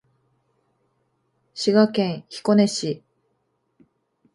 滋賀県彦根市